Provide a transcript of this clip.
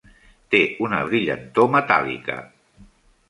Té una brillantor metàl·lica.